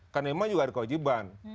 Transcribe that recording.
karena memang juga ada kewajiban